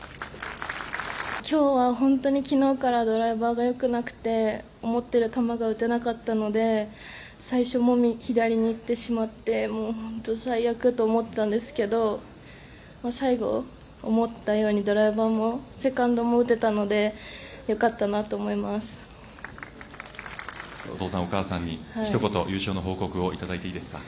今日は本当に昨日からドライバーが良くなくて思ったような球が打てなかったので最初も左にいってしまって最悪と思ってたんですけど最後思ったようにドライバーもセカンドも打てたのでお父さん、お母さんに一言優勝の報告をいただいていいですか。